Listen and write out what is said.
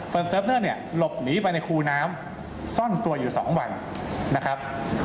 เซิร์ฟเนอร์เนี่ยหลบหนีไปในคูน้ำซ่อนตัวอยู่๒วันนะครับ